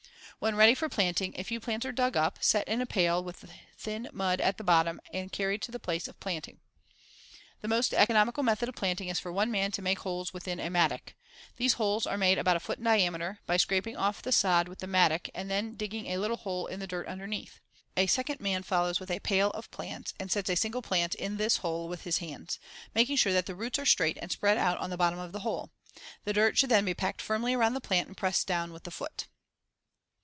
When ready for planting, a few plants are dug up, set in a pail with thin mud at the bottom and carried to the place of planting. The most economical method of planting is for one man to make the holes with a mattock. These holes are made about a foot in diameter, by scraping off the sod with the mattock and then digging a little hole in the dirt underneath. A second man follows with a pail of plants and sets a single plant in this hole with his hands, see Fig. 129, making sure that the roots are straight and spread out on the bottom of the hole. The dirt should then be packed firmly around the plant and pressed down with the foot.